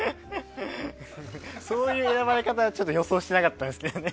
そういう選ばれ方は予想してなかったですけどね。